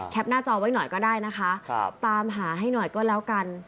หน้าจอไว้หน่อยก็ได้นะคะตามหาให้หน่อยก็แล้วกัน